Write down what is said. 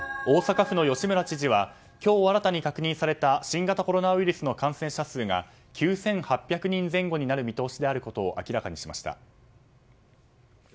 大阪府の吉村知事は今日新たに確認された新型コロナウイルスの感染者数が９８００人前後になる見通しであることを明らかにしました。